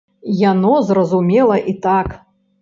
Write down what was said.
Яно зразумела і так.